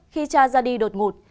khi cha ra đi đột ngột